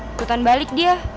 ikutan balik dia